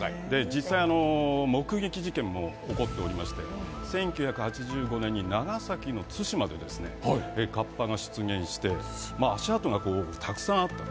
実際、目撃事件も起こっておりまして、１９８５年に長崎の対馬でカッパが出現して足跡がたくさんあった。